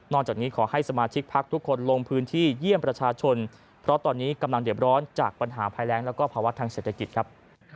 จากนี้ขอให้สมาชิกพักทุกคนลงพื้นที่เยี่ยมประชาชนเพราะตอนนี้กำลังเด็บร้อนจากปัญหาภัยแรงแล้วก็ภาวะทางเศรษฐกิจครับ